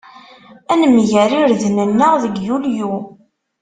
Ad nemger irden-nneɣ deg Yulyu.